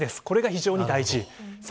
これが非常に大事。